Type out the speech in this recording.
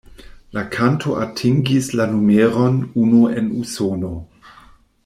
La kanto atingis la numeron unu en Usono.